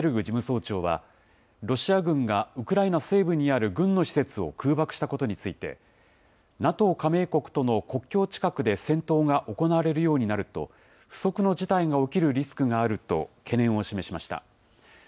事務総長は、ロシア軍がウクライナ西部にある軍の施設を空爆したことについて、ＮＡＴＯ加盟国との国境近くで戦闘が行われるようになると、不測の事態が起きるリスクがあると懸念を示しました。